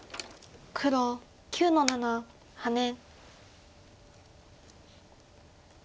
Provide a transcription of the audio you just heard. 黒９の七ハネ。